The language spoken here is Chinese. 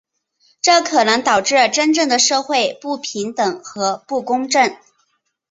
这可能导致真正的社会不平等和不公正。